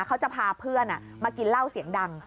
เขาจะพาเพื่อนมากินเหล้าเสียงดัง